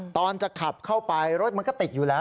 ตอนจะขับเข้าไปรถมันก็ติดอยู่แล้ว